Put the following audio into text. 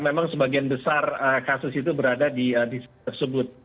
karena sebagian besar kasus itu berada di situ